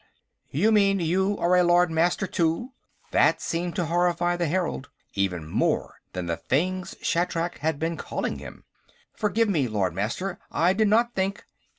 "You mean, you are a Lord Master, too?" That seemed to horrify the herald even more that the things Shatrak had been calling him. "Forgive me, Lord Master. I did not think...."